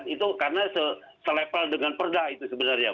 itu karena selepal dengan perda itu sebenarnya